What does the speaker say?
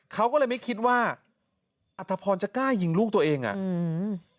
เขาก็เลยไม่คิดว่าอัตภพรจะกล้ายิงลูกตัวเองอ่ะอืม